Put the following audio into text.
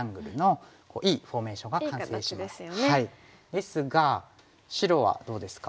ですが白はどうですか？